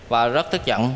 và rất tức giận